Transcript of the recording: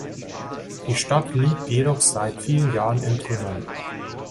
Die Stadt liegt jedoch seit vielen Jahren in Trümmern.